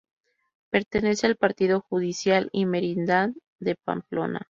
Pertenece al partido judicial y merindad de Pamplona.